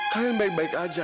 kalian baik baik saja kan